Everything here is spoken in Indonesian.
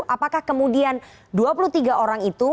apakah kemudian dua puluh tiga orang itu